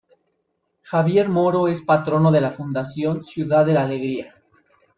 Javier Moro es patrono de la Fundación "Ciudad de la Alegría".